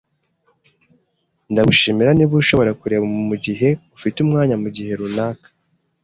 Ndagushimira niba ushobora kureba mugihe ufite umwanya mugihe runaka.